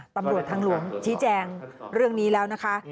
ตำรวจทางหลวงชี้แจงเรื่องนี้แล้วนะคะ